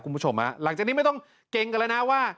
คุณผู้ชมฮะหลังจากนี้ไม่ต้องเกรงกันแล้วนะว่า